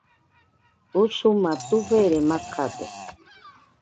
Usuma tufere macade